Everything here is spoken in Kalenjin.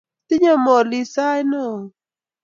Tinyei molli sait neo